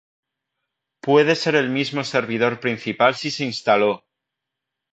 puede ser el mismo servidor principal si se instaló